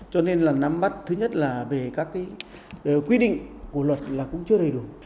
cho nên là nắm bắt thứ nhất là về các cái quy định của luật là cũng chưa đầy đủ